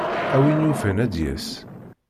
A win yufan ad d-yas.